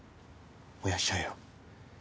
燃やしちゃえよ。